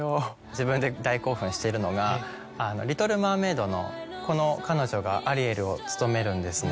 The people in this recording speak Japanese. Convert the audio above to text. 自分で大興奮しているのが『リトル・マーメイド』のこの彼女がアリエルを務めるんですね。